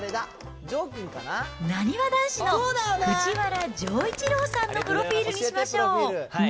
なにわ男子の藤原丈一郎さんのプロフィールにしましょう。